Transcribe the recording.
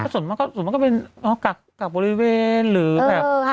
ส่วนมากส่วนมากก็เป็นกักบริเวณหรือแบบ